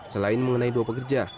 selain mengenai dua pekerja